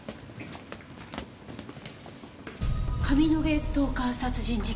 「上野毛ストーカー殺人事件」